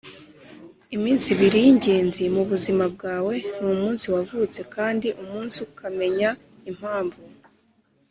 iminsi ibiri yingenzi mubuzima bwawe ni umunsi wavutse kandi umunsi ukamenya impamvu.